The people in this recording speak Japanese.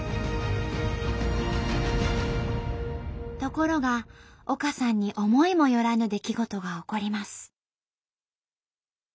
ところが丘さんに思いもよらぬ出来事が起こります。